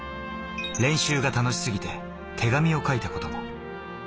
練習が楽しすぎて手紙を書いたことも。